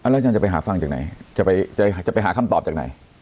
อาจารย์จะไปหาฟังจากไหนจะไปหาคำตอบจากไหน